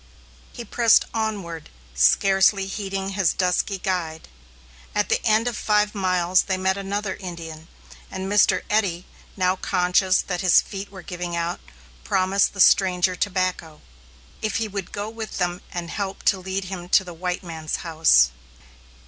He pressed onward, scarcely heeding his dusky guide. At the end of five miles they met another Indian, and Mr. Eddy, now conscious that his feet were giving out, promised the stranger tobacco, if he would go with them and help to lead him to the "white man's house."